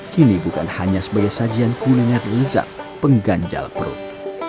kini bukan hanya sebagai sajian kuliner lezat pengganjal perut